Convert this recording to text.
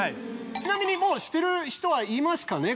ちなみにもうしてる人はいますかね？